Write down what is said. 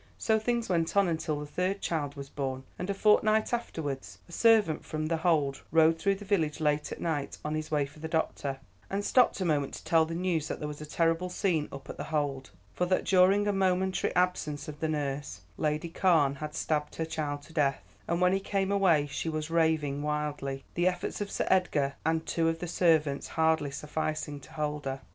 So things went on until the third child was born, and a fortnight afterwards a servant from The Hold rode through the village late at night on his way for the doctor, and stopped a moment to tell the news that there was a terrible scene up at The Hold, for that during a momentary absence of the nurse, Lady Carne had stabbed her child to death, and when he came away she was raving wildly, the efforts of Sir Edgar and two of the servants hardly sufficing to hold her.